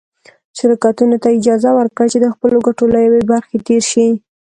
شرکتونو ته یې اجازه ورکړه چې د خپلو ګټو له یوې برخې تېر شي.